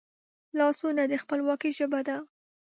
لاسونه د خپلواکي ژبه ده